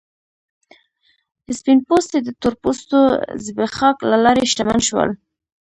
سپین پوستي د تور پوستو زبېښاک له لارې شتمن شول.